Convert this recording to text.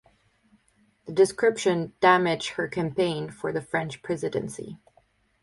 The description damaged her campaign for the French presidency.